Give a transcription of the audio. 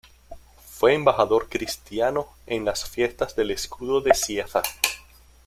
Fue Embajador Cristiano en las Fiestas del Escudo de Cieza.